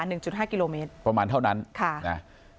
หนึ่งจุดห้ากิโลเมตรประมาณเท่านั้นค่ะนะ